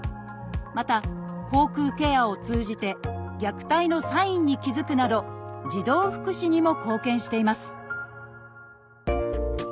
また口腔ケアを通じて虐待のサインに気付くなど児童福祉にも貢献しています